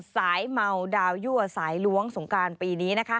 สายเมาดาวยั่วสายล้วงสงการปีนี้นะคะ